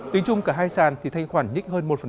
tính chung cả hai sàn thì thanh khoản nhích hơn một